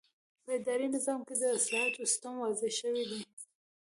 په اداري نظام کې د اصلاحاتو سیسټم واضح شوی دی.